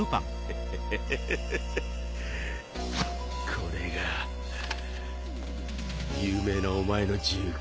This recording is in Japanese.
これが有名なお前の銃か。